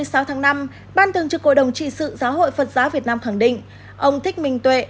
năm ban thường trực cội đồng trị sự giáo hội phật giáo việt nam khẳng định ông thích minh tuệ